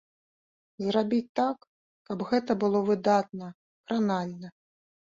Зрабіць так, каб гэта было выдатна, кранальна.